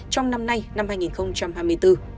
trong năm nay năm hai nghìn hai mươi bốn